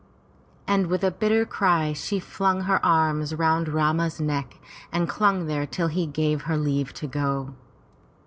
And with a bitter cry she flung her arms round Rama's neck and clung there till he gave her leave to go.